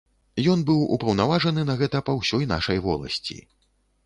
Ён быў упаўнаважаны на гэта па ўсёй нашай воласці.